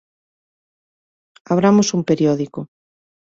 Abramos un periódico.